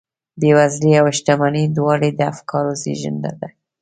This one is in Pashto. بېوزلي او شتمني دواړې د افکارو زېږنده دي